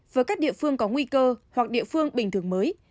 với các địa phương có nguy cơ hoặc địa phương bình thường mới